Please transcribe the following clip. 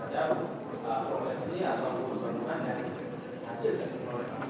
ada progres ini atau proses pembangunan dari hasil dari progres